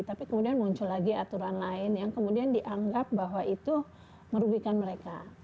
tapi kemudian muncul lagi aturan lain yang kemudian dianggap bahwa itu merugikan mereka